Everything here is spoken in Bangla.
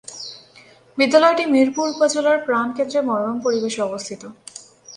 বিদ্যালয়টি মিরপুর উপজেলার প্রান কেন্দ্রে মনোরম পরিবেশে অবস্থিত।